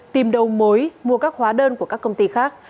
tìm đầu mối mua các hóa đơn của các công ty khác